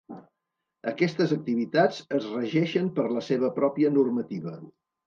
Aquestes activitats es regeixen per la seva pròpia normativa.